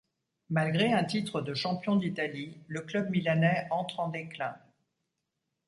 Malgré un titre de champion d'Italie, le club milanais entre en déclin.